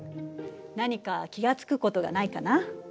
何か気が付くことがないかな？